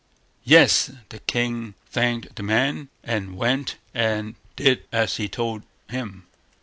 Yes! the king thanked the man, and went and did as he told him.